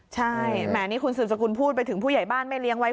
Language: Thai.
ใช่แหมนี่คุณสืบสกุลพูดไปถึงผู้ใหญ่บ้านไม่เลี้ยงไว้